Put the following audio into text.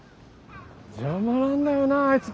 邪魔なんだよなぁあいつ。